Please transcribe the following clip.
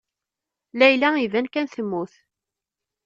Layla iban kan temmut.